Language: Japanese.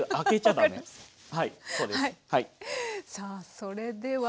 さあそれでは。